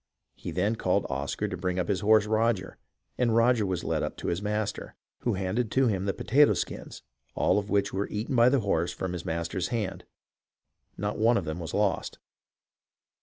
He then called Oscar to bring up his horse Roger, and Roger was led up to his master, who handed to him the potato skins, all of which were eaten by the horse from his master's hand — not one of them was lost.